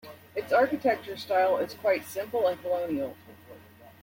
Its architecture style is quite simple and colonial.